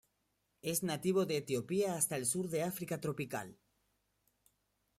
Es nativo de Etiopía hasta el sur de África tropical.